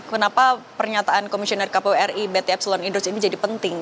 kenapa pernyataan komisioner kpu ri btplon idrus ini jadi penting